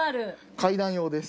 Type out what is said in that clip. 階段用です